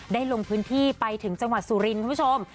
ลงพื้นที่ไปถึงจังหวัดสุรินทร์คุณผู้ชม